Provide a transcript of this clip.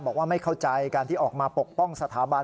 บอกว่าไม่เข้าใจการที่ออกมาปกป้องสถาบัน